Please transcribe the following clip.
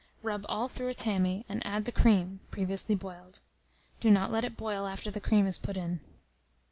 Rub all through a tammy, and add the cream (previously boiled). Do not let it boil after the cream is put in.